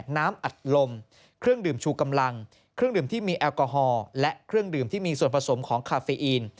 น้ำอัดลมเครื่องดื่มชูกำลังเครื่องดื่มที่มีแอลกอฮอล์และเครื่องดื่มที่มีส่วนผสมของคาเฟอีน